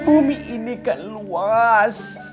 umi ini kan luas